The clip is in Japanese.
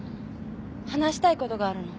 話したいことがあるの。